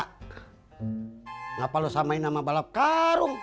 kenapa lu samain sama balap karung